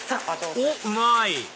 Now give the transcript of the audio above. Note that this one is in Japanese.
おっうまい！